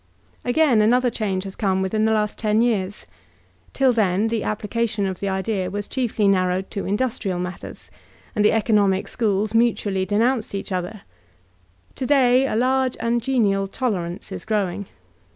Again, another change has come within the last ten years. Till then the application of the idea was chiefly narrowed to industrial matters, and the economic schools mutually denounced each other; to day a large and genial tolerance is growing.